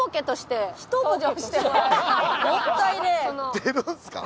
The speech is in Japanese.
出るんですか？